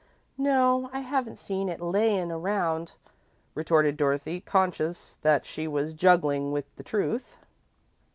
"No, I haven't seen it 'laying around,'" retorted Dorothy, conscious that she was juggling with the truth.